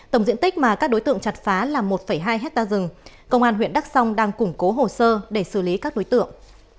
tổng diện tích mà các đối tượng chặt phá là một hai hectare rừng công an huyện đắk song đang củng cố hồ sơ để xử lý các đối tượng